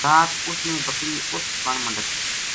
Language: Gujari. رات اس نے بکری اُت بن ما ڈکی